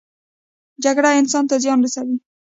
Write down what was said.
جګړه انسان ته زیان رسوي